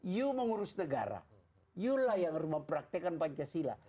you mengurus negara you lah yang mempraktekkan pancasila